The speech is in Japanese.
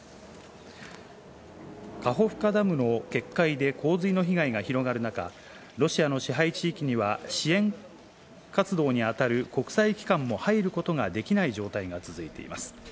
カホフカダムの決壊で洪水の被害が広がる中、ロシアの支配地域には支援活動に当たる国際機関も入ることができない状態が続いています。